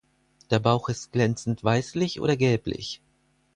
Der Bauch ist glänzend weißlich oder gelblich.